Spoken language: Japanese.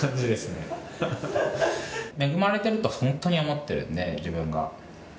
恵まれてると本当に思ってるので自分が。